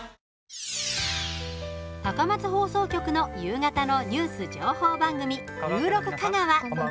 高松放送局の夕方のニュース情報番組「ゆう６かがわ」。